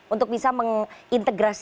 untuk bisa mengintegrasi